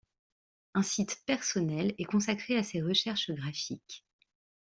Un site personnel est consacré à ces recherches graphiques.